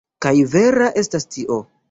Kaj vera estas tio.